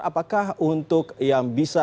apakah untuk yang bisa